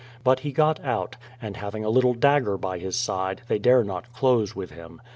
But he got out, and having a little dagger by his side, they dare not close with him.